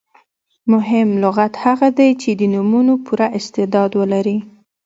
مهم لغت هغه دئ، چي د نومونو پوره استعداد ولري.